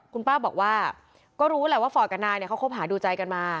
คุณป้าบอกว่าก็รู้แหละว่าฟอร์ตกับนายเนี่ยเขาคบหาดูใจกันมา